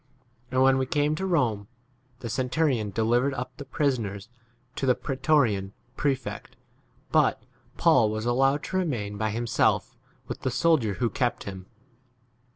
13 And when we came to Rome, [the centurion delivered up the prisoners to the pretorian prefect, but] e Paul was allowed to remain by himself with the soldier who 17 kept him.